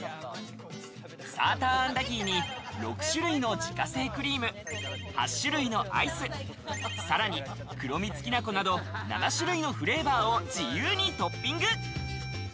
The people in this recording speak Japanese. サーターアンダギーに６種類の自家製クリーム、８種類のアイス、さらに黒蜜きな粉など、７種類のフレーバーを自由にトッピング。